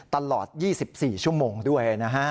ตลอด๒๔ชั่วโมงด้วยนะฮะ